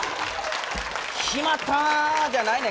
決まった！じゃないねん。